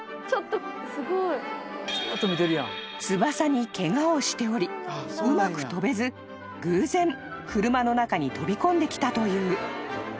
［翼にケガをしておりうまく飛べず偶然車の中に飛び込んできたという］